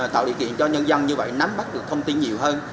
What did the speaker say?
tạo điều kiện cho nhân dân như vậy nắm bắt được thông tin nhiều hơn